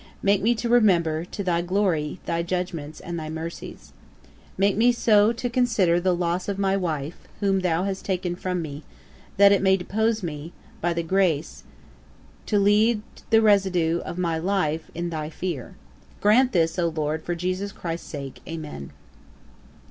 Make me to remember, to thy glory, thy judgements and thy mercies. Make me so to consider the loss of my wife, whom thou hast taken from me, that it may dispose me, by thy grace, to lead the residue of my life in thy fear. Grant this, O LORD, for JESUS CHRIST'S sake. Amen.'